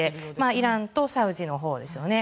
イランとサウジのほうですね。